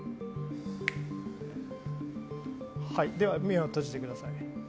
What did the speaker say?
はい、では目を閉じてください。